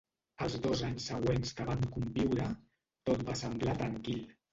Els dos anys següents que van conviure, tot va semblar tranquil.